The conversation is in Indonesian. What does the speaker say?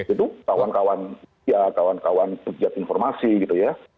itu kawan kawan ya kawan kawan pegiat informasi gitu ya